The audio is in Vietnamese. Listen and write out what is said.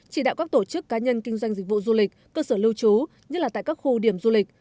chỉ đạo các tổ chức cá nhân kinh doanh dịch vụ du lịch cơ sở lưu trú như là tại các khu điểm du lịch